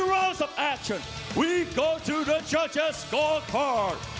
เราจะไปกันกันกันกันกัน